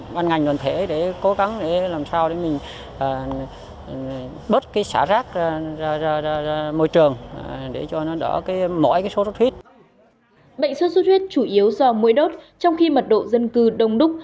bệnh sốt xuất huyết chủ yếu do mũi đốt trong khi mật độ dân cư đông đúc